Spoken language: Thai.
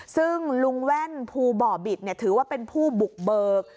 ซึ่งลุงแว่นภูบ่อบิตถือว่าเป็นผู้บุกเบิก